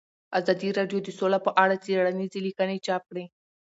ازادي راډیو د سوله په اړه څېړنیزې لیکنې چاپ کړي.